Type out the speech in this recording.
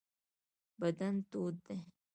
بدن تود دی.